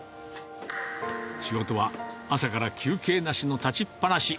仕事は、朝から休憩なしの立ちっ放し。